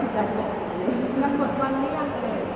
พี่แจ๊กกดวันหรือยัง